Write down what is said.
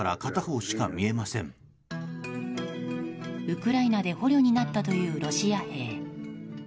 ウクライナで捕虜になったというロシア兵。